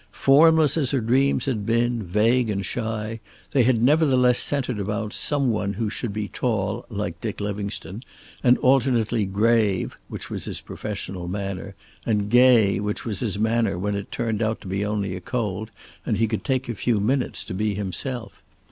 Formless as her dreams had been, vague and shy, they had nevertheless centered about some one who should be tall, like Dick Livingstone, and alternately grave, which was his professional manner, and gay, which was his manner when it turned out to be only a cold, and he could take a few minutes to be himself.